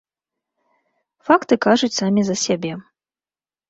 Факты кажуць самі за сябе.